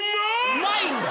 うまいんだ。